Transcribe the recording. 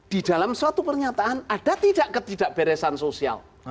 di dalam suatu pernyataan ada tidak ketidakberesan sosial